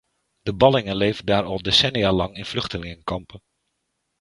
De ballingen leven daar al decennialang in vluchtelingenkampen.